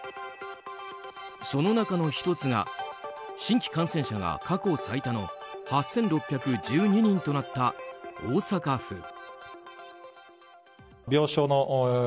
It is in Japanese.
その中の１つが新規感染者が過去最多の８６１２人となった大阪府。